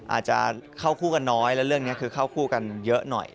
อาจจะเข้าคู่กันน้อยแล้วเรื่องนี้คือเข้าคู่กันเยอะหน่อย